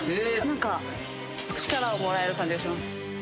何か力をもらえる感じがします